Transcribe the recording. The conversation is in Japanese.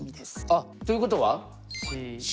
あっということはＣ？